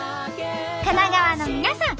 神奈川の皆さん